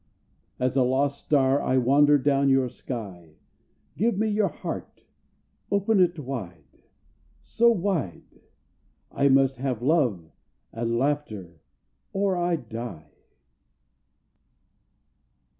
As a lost star I wander down your sky. Give me your heart. Open it wide so wide! I must have love and laughter, or I die.